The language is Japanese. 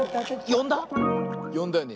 よんだよね？